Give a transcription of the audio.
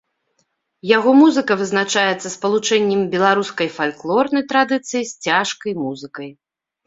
Яго музыка вызначаецца спалучэннем беларускай фальклорнай традыцыі з цяжкай музыкай.